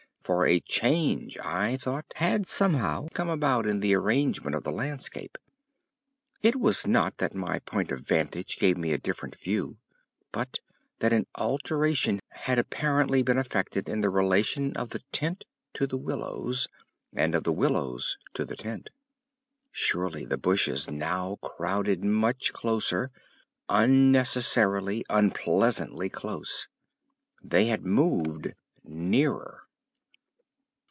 For a change, I thought, had somehow come about in the arrangement of the landscape. It was not that my point of vantage gave me a different view, but that an alteration had apparently been effected in the relation of the tent to the willows, and of the willows to the tent. Surely the bushes now crowded much closer—unnecessarily, unpleasantly close. _They had moved nearer.